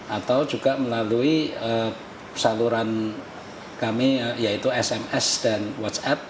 atau juga melalui saluran kami yaitu sms dan whatsapp